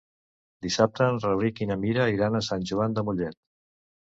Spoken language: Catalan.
Dissabte en Rauric i na Mira iran a Sant Joan de Mollet.